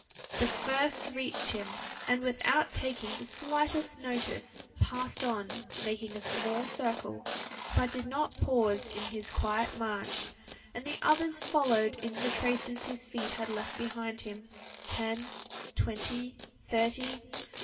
The first reached him, and without taking the slightest notice passed on, making a small circle, but did not pause in his quiet march; and the others followed in the traces his feet had left behind him, ten, twenty, thirty.